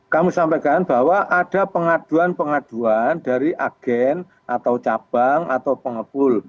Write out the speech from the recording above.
kami sampaikan bahwa ada pengaduan pengaduan dari agen atau cabang atau pengepul